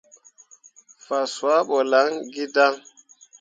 Fah swal ɓo lan gǝdaŋ.